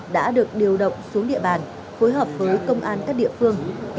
đã được điều động xuống địa bàn phối hợp với công an các địa phương